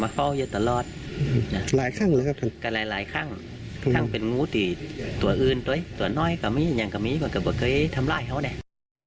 หลายครั้งครั้งเป็นงูที่ตัวอื่นตัวน้อยอย่างกับมีทำร้ายเขาเนี่ย